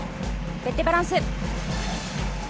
フェッテバランス。